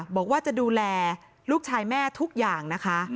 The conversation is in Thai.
บอกว่าจะดูแลลูกชายแม่ทุกอย่างนะคะ